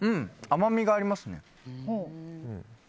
甘みがありますね。